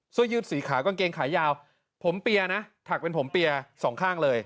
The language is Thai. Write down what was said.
สวยยืดสีขากางเกงขายาวถักเป็นผมเปียสองข้างเลย